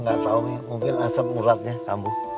enggak tau nih mungkin asap ulatnya kamu